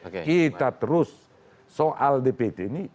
kita terus soal dpt ini